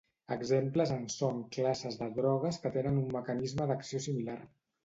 Exemples en són classes de drogues que tenen un mecanisme d'acció similar.